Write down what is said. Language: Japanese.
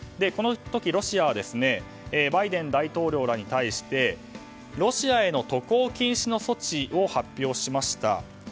この時、ロシアはバイデン大統領らに対してロシアへの渡航禁止の措置を発表しました。